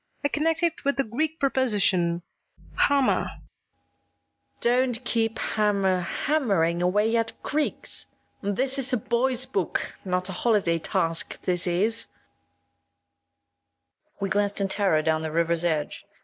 I connect it with the Greek preposition [Greek: hama]. ED. Don't keep hammer hammering away at Greek! This is a boy's book, not a holiday task, this is! PUBLISHER. We glanced in terror down the river's edge.